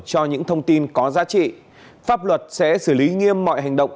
cho những thông tin có giá trị pháp luật sẽ xử lý nghiêm mọi hành động